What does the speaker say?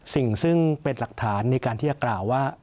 สิ่งซึ่งเป็นหลักฐานในการที่จะกล่าวว่า